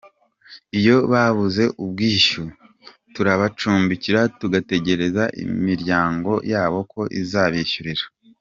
Iyo babuze ubwishyu turabacumbikira tugategereza imiryango yabo ko izabishyurira.